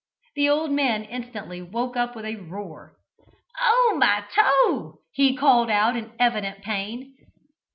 The old man instantly woke up with a roar. "Oh, my toe!" he called out in evident pain.